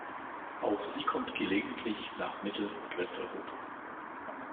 Auch sie kommt gelegentlich nach Mittel- und Westeuropa.